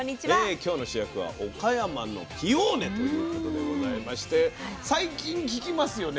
今日の主役は岡山のピオーネということでございまして最近聞きますよね